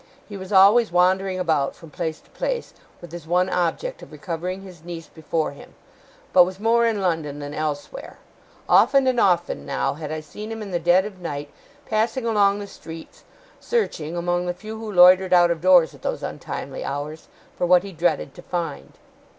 He was always wandering about from place to place, with his one object of recovering his niece before him; but was more in London than elsewhere. Often and often, now, had I seen him in the dead of night passing along the streets, searching, among the few who loitered out of doors at those untimely hours, for what he dreaded to find.